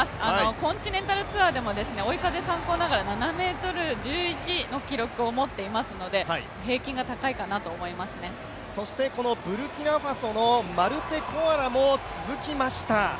コンチネンタルツアーでも追い風参考ながら７ｍ１１の記録を持っていますのでそして、ブルキナファソのマルテ・コアラも続きました。